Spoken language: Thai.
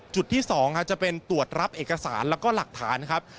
จุดที่๒จะเป็นตรวจรับเอกสารแล้วก็หลักฐานครับ